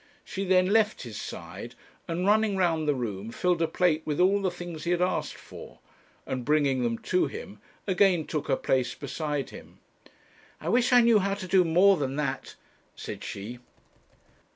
She then left his side, and, running round the room, filled a plate with all the things he had asked for, and, bringing them to him, again took her place beside him. 'I wish I knew how to do more than that,' said she.